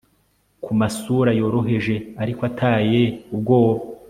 Ku masura yoroheje ariko ataye ubwoba